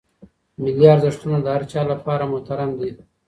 ملي ارزښتونه د هر چا لپاره محترم دي.